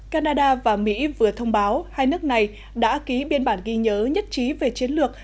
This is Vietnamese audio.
canada và mỹ vừa thông báo hai nước này đã ký biên bản ghi nhớ nhất trí về chiến lược